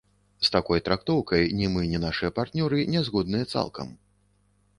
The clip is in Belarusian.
З такой трактоўкай ні мы, ні нашыя партнёры, не згодныя цалкам.